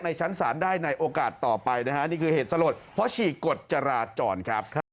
ชั้นศาลได้ในโอกาสต่อไปนะฮะนี่คือเหตุสลดเพราะฉีกกฎจราจรครับ